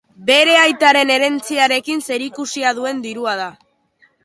Bere aitaren herentziarekin zerikusia duen dirua da.